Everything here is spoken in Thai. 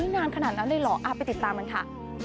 นานขนาดนั้นเลยเหรอไปติดตามกันค่ะ